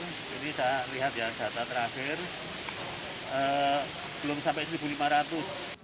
ini sudah lihat ya data terakhir belum sampai seribu lima ratus